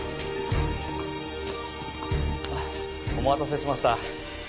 お待たせしました。